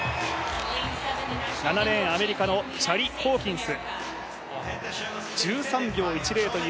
７レーン、アメリカのチャリ・ホーキンス。